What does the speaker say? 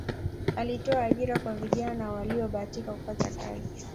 alitoa ajira kwa vijana waliyobahatika kupata kazi